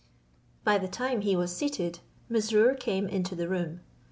By the time he was seated, Mesrour came into the room.